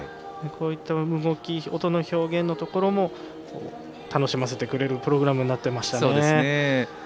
こういった動き音の表現のところでも楽しませてくれるプログラムになっていましたね。